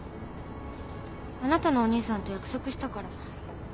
あなたのお兄さんと約束したから。